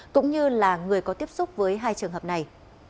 cũng như là người có tiếp xúc với hai trường hợp này